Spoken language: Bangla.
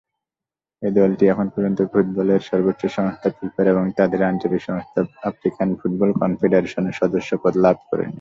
এই দলটি এখন পর্যন্ত ফুটবলের সর্বোচ্চ সংস্থা ফিফার এবং তাদের আঞ্চলিক সংস্থা আফ্রিকান ফুটবল কনফেডারেশনের সদস্যপদ লাভ করেনি।